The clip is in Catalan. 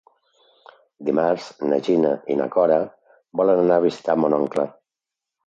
Dimarts na Gina i na Cora volen anar a visitar mon oncle.